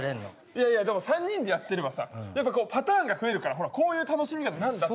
いやいやでも３人でやってればさやっぱこうパターンが増えるからほらこういう楽しみだってなんだって。